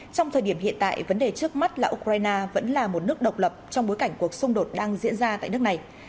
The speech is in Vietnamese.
trong thời điểm hiện tại vấn đề trước mắt là ukraine vẫn là một nước độc lập trong bối cảnh cuộc xung đột đang diễn ra tại nước này